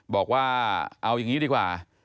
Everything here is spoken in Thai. บอกว่าเอาอย่างนี้ดีกว่า